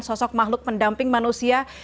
sosok makhluk mendamping manusia